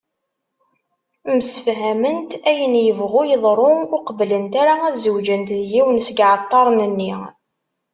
Msefhament ayen yebɣun yeḍru ur qebblent ara ad zewǧent d yiwen seg yiɛeṭṭaren-nni.